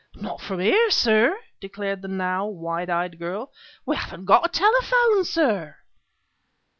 "Not from here, sir," declared the now wide eyed girl. "We haven't got a telephone, sir."